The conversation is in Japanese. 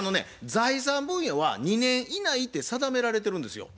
財産分与は２年以内て定められてるんですよ。